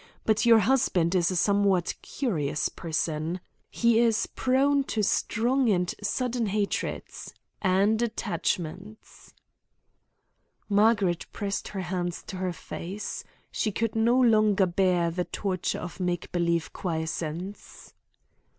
But your husband is a somewhat curious person. He is prone to strong and sudden hatreds and attachments." Margaret pressed her hands to her face. She could no longer bear the torture of make believe quiescence.